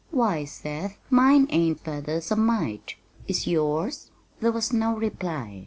"Why, Seth, mine ain't feathers a mite! Is yours?" There was no reply.